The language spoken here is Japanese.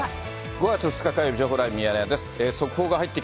５月２日火曜日、情報ライブミヤネ屋です。